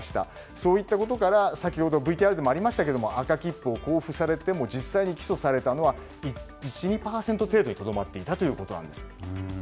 そういったことからＶＴＲでもありましたけど赤切符を交付されても実際に起訴されたのは１２％程度にとどまっていたということです。